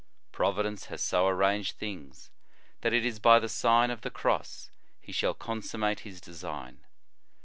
Providence has so arranged things that it is by the Sign of the Cross he shall consum mate his design.